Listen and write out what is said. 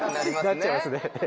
なっちゃいますね。